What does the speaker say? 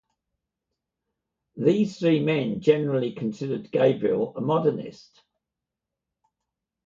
These three men generally considered Gabriel a modernist.